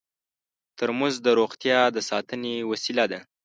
ترموز د روغتیا د ساتنې وسیله ده.